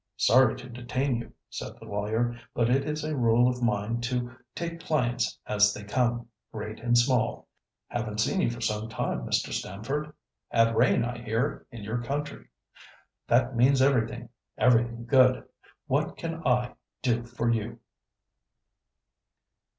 "Sorry to detain you," said the lawyer, "but it is a rule of mine to take clients as they come, great and small. Haven't seen you for some time, Mr. Stamford. Had rain, I hear, in your country; that means everything—everything good. What can I do for you?"